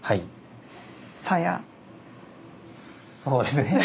そうですね。